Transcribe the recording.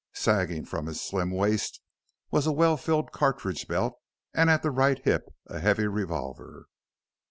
Sagging from his slim waist was a well filled cartridge belt and at the right hip a heavy revolver.